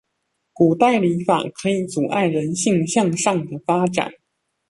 古代禮法可以阻礙人性向上的發展